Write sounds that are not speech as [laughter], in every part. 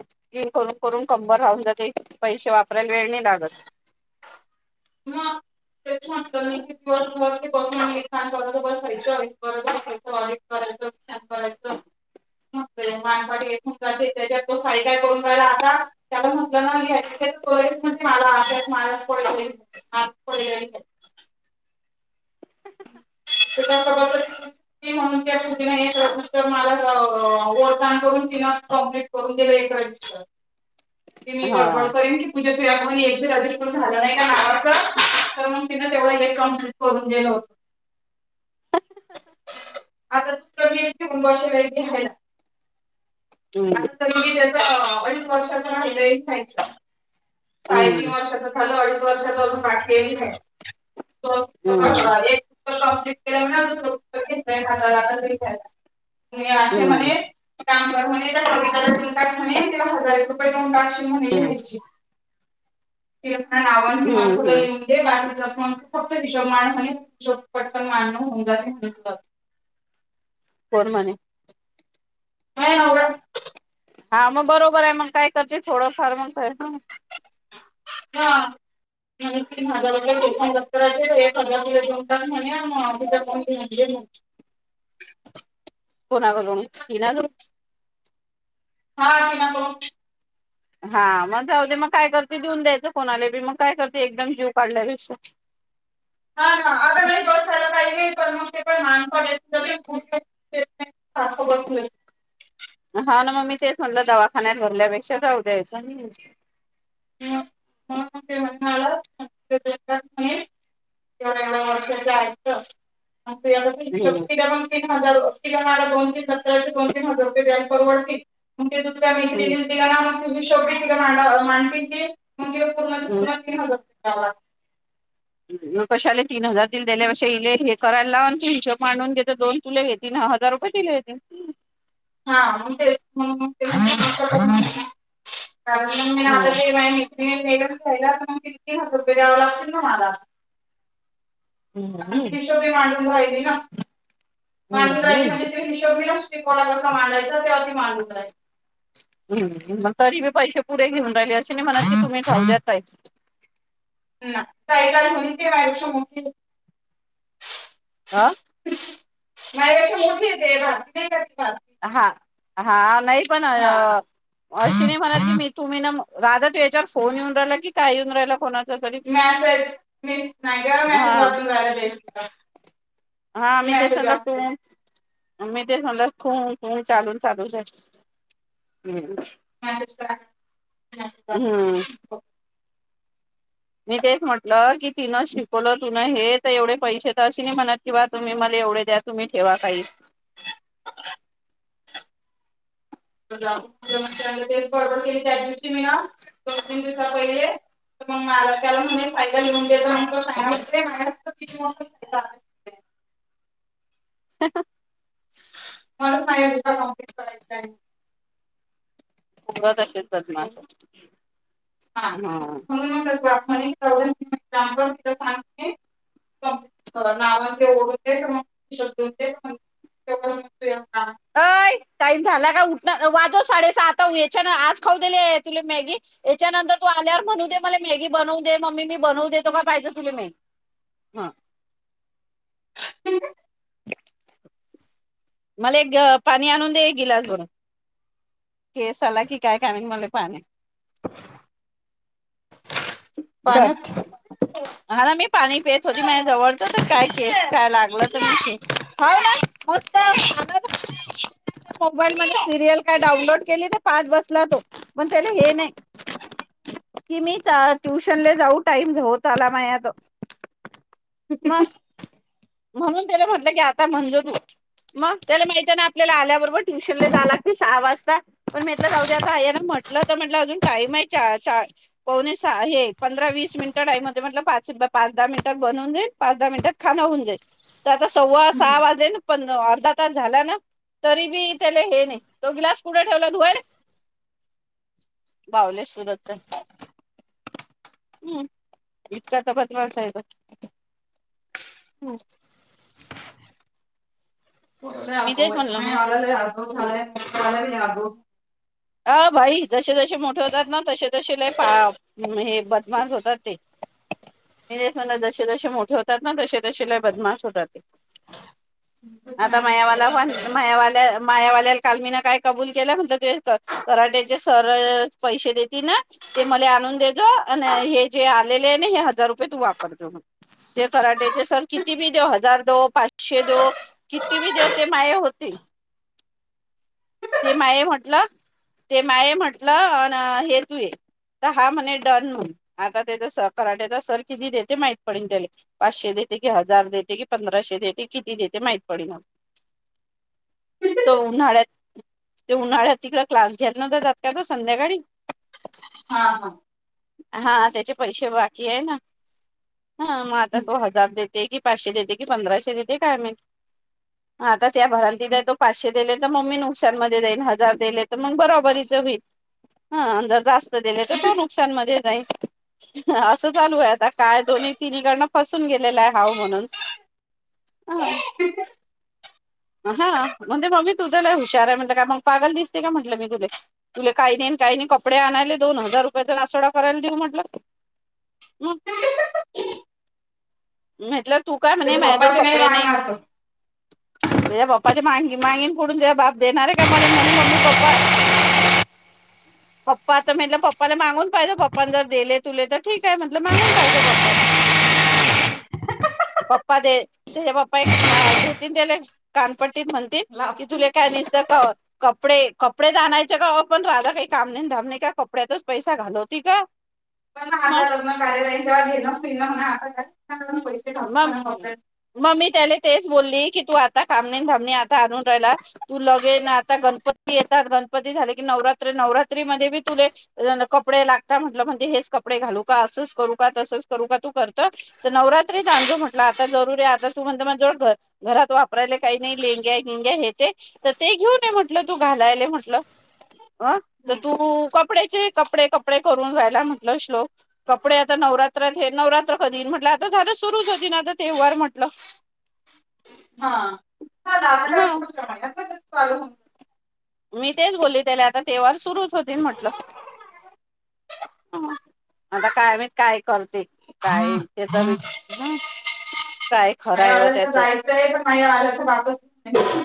[inaudible] करून करून कंबर राहून जाते पैसे वापरायला वेळ नाही लागत. ह तेच्यां [unintelligible] मानपाडी एकून [inaudible] तो साई काय करून गाला आता त्याला म्हटलं नव्ह मला [inaudible] ते काय करायचं? ती म्हणून [inaudible] मला तिला कॉ्प्लीट [inaudible] हा बडबड करीन [unintelligible] आता [inaudible] हम्म त्या अडीच वर्षाचा [inaudible] हम्म साडे तीन वर्षाचा अडीच वर्षाची हम्म [inaudible] शॉप केला घेता [inaudible] [inaudible] हम्म म्हणे काम कर म्हणे [inaudible] हजार रुपये हम्म [inaudible] हम्म हम्म [unintelligible] [unintelligible] [inaudible] म्हणे हा होड हा मग बरोबर हाय मग काय करशील थोडंफार मग [inaudible] हा म्हणून तीन हजार रुपये [unintelligible] कोणाकडून तीन हजार रुपये हा [unintelligible] हा मग जाऊ दे मग काय करते देऊन द्यायचं कोणाला बी मग काय करते एकदम जीव काढण्यापेक्षा हा हा अगर [unintelligible] [unintelligible] बसलोय हा ना मग मी तेच म्हणलं दवाखान्यात भरल्यापेक्षा जाऊ द्यायचं [unintelligible] [unintelligible] तर तीन हजार रुपये दोन तीन सत्तर दो तीन हजार रुपये बँक परवडतील मग ती दुसऱ्या हम्म मैत्रीणीला ती शॉपिंग मांड मांडतील ती पण तीन हजार रुपये कशाले तीन हजार दि दिल्या कशा हिले हे करायला लाव आणि ते हिशेब मांडुन घेत दोन तुला हे हजार रुपये दिलेे होते हा तेच [inaudible] आता हम्म मॅडम खायायला म्हणून तीन हजार रुपये द्यावे लागतील मला हम्म आणि हिशोबी मांडून राहिली ना हम्म मांडून राहिली म्हणजे हिशबी नसते कोणाला असं मांडायचा ते आधी मांडु द्या मग तरी बी पैसे पुरे घेऊन राहिलीया अशी नाही म्हणत की तुम्ही राहुद्यात ताई ताईला घेऊन ये की ती माझ्यापेक्षा मोठी आहे आ माझ्याकडे शंभर रुपये [unintelligible] हा हा नई पण अ अशी नाही म्हणत की हा मी तुम्ही ना रागाच्या यांच्यावर फोन येऊन राहिला की काय येऊन राहिला तरी मॅसेज मिस नाही हा का [unintelligible] हा मी मेसेज त्यासगट वाचतो मी तेच म्हटलं खू खू चालून चालू आहे मेसेज काय हम्म. मी तेच म्हटलं की तिनं शिकवलं तुनं हे तर एवढे पैसे तर अशी नाही म्हणत किंवा तुम्ही मला एवढे द्या तुम्ही ठेवा काही [inaudible] ऑर्डर केली त्याच दिवशी मी ना दोन तीन दिवसा पहिले तर मग मला फायदा घेऊ दे किती फायदा [inaudible] मला फाईल कॉम्प्लीट करायचं आहे पद्मामा अस हा हम्म [unintelligible] तिला सांगते नावा ते ओढून एक मून एक [unintelligible] अय टाईम झाला का उठ ना वाजव साडे सात याच्यान आज खाऊ दिले तुला मॅगी याच्यानंतर तू आल्यावर म्हणू दे मला मॅगी बनवू दे मम्मी मी बनवू देेतो का पाहिजे तुला मग हा [inaudible] मला एक पाणी आणून दे एक गिलास भरून केस आला की काय काणे मले पाणी दर पाणी हा ना मी पाणी पिते होते माझ जवळचं तर काय केस काय लागलं तर मी हो ना मस्त मोबाईल मध्ये सिरियल काय डाउनलोड केली ते पाहत बसला तो पण तेला हे नाही कि मी ट्युशन जाऊ टाइम होत आला मात मग म्हणून त्याला म्हटलं की आता म्हणजो तू मग त्याला माहिती आहे ना आपल्याला आल्याबरोबर ट्युशन ला जाला ते सहा वाजता पण म्हटलं जाऊद आताना म्हटलं तर म्हटलं अजून टाइम आहे च पवणी हे पंधरा वीस मिनिटं टाईम होते म्हट पाच पाच दहा मिनिटात बनवून देईल पाच दहा मिनिटात खा होऊन जाईल तर आता सव्वा हम्म. सहा वाजे पण अर्धा तास झाला ना तरी बी त्याला हे नाही तो ग्लास पुढे ठेवला धु [inaudible] बावलेश्वरत च हम्म विचारता बदमान साहेब हम् म मी तेच म्हणलं मग आला आगो झालायला आगो अ भाई जसे जसे मोठे होतात ना तसे तसे ल पा हे बदमास होतात ते मस म्ह जसे जसे मोठे होतात ना तसे तसेलाय बदमास होतात ते हम् आता मायावाला पण मायावाल्या मायावाल्याला कालमीन काय कबूल केलं म्हणत ते येत कराट्याचे सर पैसे देतील ना ते मला आणून देजो आणि हे जे आलेले आहे ना हे हजार रुपये तू वापरजो म्ह ते कराट्याचे सर किती बी दे हजार दो पाचशे देो किती मी देवते माय होते [inaudible] ते माय म्हटलं ते माय म्हंटलं अ हे तू ये तर हा म्हणे डन म्हणून आता त्याचा स कराट्याचा सर किती देत ते माहित पडेल त्याला पाचशे देते की हजार देते की पंधराशे देते किती देते माहित पडडेल [inaudible] तो उन्हाळ्यात ते उन्हाळ्यात तिकडे क्लास घेेतन तर जात का ना संध्याकाळी हा हा हा त्याचे पैसे बाकी आहे ना हा मग आता हम्म. तो हजार देते की पाचशे देते की पंधराशे देते काय म आता त्या भरांती द तो पाचशे दिले तर मम्मी नुकसाांमध्ये देईल हजार दिले मग बरोबरीच होईल ह अधर जास्त दिले तर तो नुकसान मध्ये जाई असं चालू आहे आता काय दोन्ही तिन्ही गण फसून गेलेलं आहे हाव म्हणून. हां. [inaudible] हा म्हणजे मम्मी तुझ्याला हुशार आहे म्हटलं का मग पागल दिसते का म्हटलं मी तुला तुले काही नाही काही नाही कपडे आणायले दोन हजार रुपयाचा नासोडा करायला देऊ म्हट ह तर म्हतल तू काम नाही माझो पप्पाचे नाही कपडे नाहीय मागणार तो तझ्या पप्पाच्या मगी मगीण पुडून ज बाप देणार आहे का मला म्हणे मम्मी पप्पा [unintelligible] पप्पा आ म्हटलं पप्पाला मागून पाहिजे पप्प जर दिले तुले तर ठीक आहे म्हटलं मागून पाहिजे पप्पा ह पप्पा दे ते पप्पा एक देतील त्याला कानपट्टीत म्हणतील लाव की तुले काय निसत का आहत कपडे कपडे जाायचे का बा पण राधा काही काम नाही धाबणे का कपड्यातच पैसा घालवती का मग आता लग्न कार्यालयन जव्हा घेणच ना म्ह आता पै म मम्मी त्याने तेच बोलली की तू आता कामणी ामणी आता आणून राहिला तू लगेन आता गणपती येतात गणपती झाले की नवरात्र नवरात्री म बी तुले कपडे लागता म्हट म्हणजे हेच कपडे घालू का असंच करू का तसंच करू का तू करत तर नवरात्री तांजू म्हटला, आता जरुरी आहे. आता तू म्हणत माझ्याजवळ घर घरात वापरायला काही नाही लेंग्या घिंग्या हे ते तर ते घेऊन ये म्हटलं, तू घालायलाय म्हंटलं. ह. तर तू कपड्याचे कपडे कपडे करून राहायलाय म्हंटलं श्लोक. कपडे आता नवरात्रात हे. नवरात्र कधी म्हटलं, आता झालंच सु सुरूच होती ना. आ ते वर म्हटलं. हां, हा. चालू आहे. मी तेच बोलली त्याला आता तेवार सुरुच होतील म्हटलं, हा. आता काय माहित काय करते. काय त्याचा विचार हा. काय खरं माझ्या आहे व वाल्याला तर त्याचं जायचंय पण मा आल्याच बापच [unintelligible]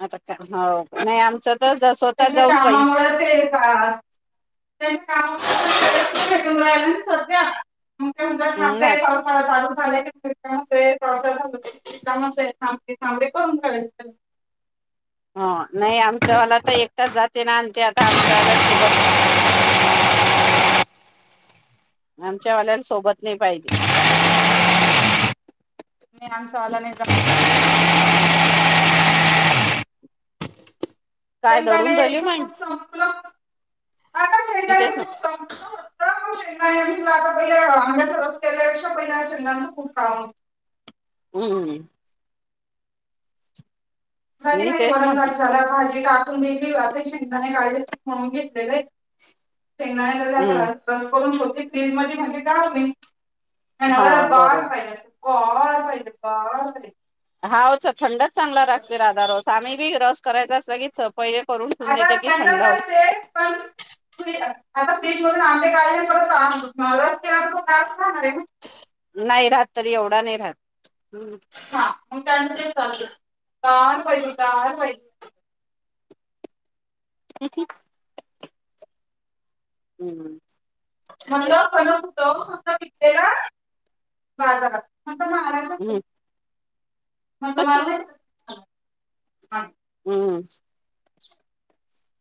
आता काय. हाव नाही आमच्यात दर दर स्वत त्यांच्या कामामुळेच ते का, कोठ येऊन राहिला. सध्या? तुमच्या इथ थांबतय. नाही पावसाळा चालू झालाय. काय होतंय. पावसात थांबवत्यात येथे थांबडेे करून घा. हा. नाही आमच्यावाला तर एकटाच जाते ना आणते आता आमच्यावाल्यां सोबत आमच्या वाल्यां सोबत नाही पाहिजे. मी आमचावाला नाहीच काय दडून राहिली शेंगणेच मग कूट संपलं. आका मी शेंगदाण्याच तेच कुट संपलं. तर मग शेंगातला आता पहिला आंब्याचा याचा रस केल्यापेक्षा पहिले शेंगदाणा च कुट करावं. हम्म. झाली मी नाही. तेच वरण भात म्हटलं झाला. भाजी काय अनि ते शेंगदाणे गार म्हणून घेतलेले शेंगदाणे हम्म गरम बस करून छोटी फ्रीज मध्ये म्हणजे काय होईल. माझ्या नवऱ्याला हा गार बरोबर पाहिजे असतय. गार पाहिजे गार पाहिजे. हाव तर थंडच चांगला लागते. राधा रस आम्ही बी रस करायचा असत की पहिले करून ठेवून अगं देते की थंड थंडच असते पण आता फ्रीज मधून आंबे काढले. परत आ रस केलेवर तो गार च राहणार आहे ना. नाही राहत. तरी एवढा नाही राहत. हा मग त्यांचे चालूच. गार पाहिजे गार पाहिजे. ते [unintelligible] हम हम. म्हटलं फणस होतं. पिकलेला बाजारात मग म्हणायलय हम् [unintelligible] हम्म,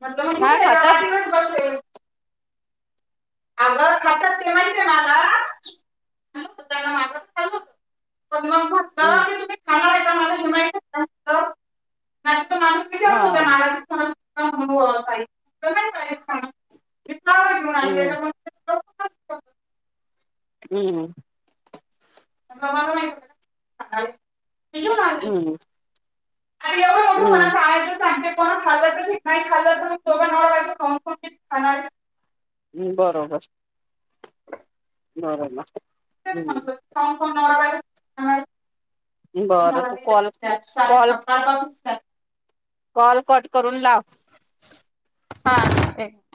म्हटलं मग हा घेऊन ये जा खातात. पाठीवरच बसेल अगं खातात. ते माहिती मला, बाजारातून आणूच पण मग हम्म म्हटलं तु खाणार आहे का मला हे माहितच नव्हतं. नाहीतर माणूस पिशव्या हा होत्या माझ्या हातात हो ताई जमेल का मला इतका हम्म वेळ [unintelligible] हम्म. हम्म. मला नाही माहित. सांगायलास आई हे कोण आणलं. हम. खायच सांगतात. म्हणून खाल्लं तर बी नाही खाल्लं बी बनवाव लागंल की खाणार. बरोबर. नरला [unintelligible] ते म्हत कोण कोण न. बरं तू झाले कॉल साडे कॉल सकाळ पासून कॉल कट करून लाव. हा.